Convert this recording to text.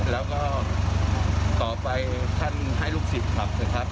แล้วก็ต่อไปท่านให้ลูกศิษย์ขับเถอะครับ